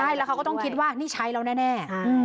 ใช่แล้วเขาก็ต้องคิดว่านี่ใช้แล้วแน่